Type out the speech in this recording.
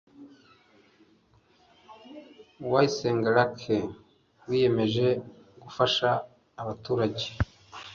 Uwayisenga Lucy wiyemeje gufasha abaturage